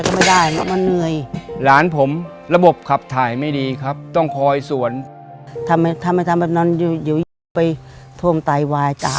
จะได้โบนัสกลับไปบ้านเข้าแล้ว